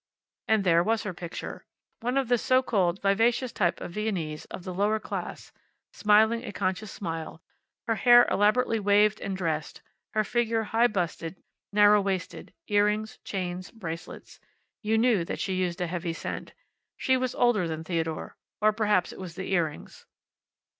And there was her picture. One of the so called vivacious type of Viennese of the lower class, smiling a conscious smile, her hair elaborately waved and dressed, her figure high busted, narrow waisted; earrings, chains, bracelets. You knew that she used a heavy scent. She was older than Theodore. Or perhaps it was the earrings.